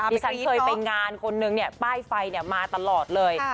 ที่ฉันเคยไปงานคนนึงเนี่ยป้ายไฟมาตลอดเลย